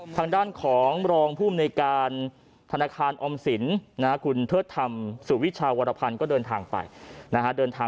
ทางด้านของรองภูมิในการธนาคารออมสินคุณเทิดธรรมสุวิชาวรพันธ์ก็เดินทางไปนะฮะ